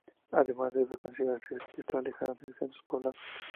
Además, debe considerarse que está alejado de centros poblados.